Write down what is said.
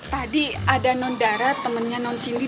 tadi ada nondara temennya nonsindi